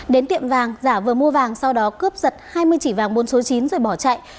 đến tiệm vàng giả vừa mua vàng sau đó cướp giật hai mươi chỉ vàng bốn số chín rồi bỏ chạy